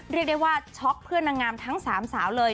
เรียกได้ว่าช็อกเพื่อนนางงามทั้ง๓สาวเลย